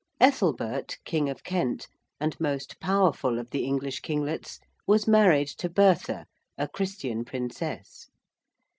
Ethelbert, King of Kent, and most powerful of the English kinglets, was married to Bertha, a Christian princess.